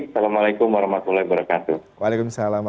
selamat pagi assalamualaikum wr wb